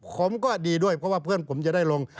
ผมก็ดีด้วยเพราะว่าเพื่อนผมจะได้ลง